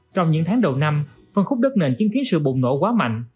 trong những tháng đầu năm phân khúc đất nền chứng kiến sự bùng nổ quá mạnh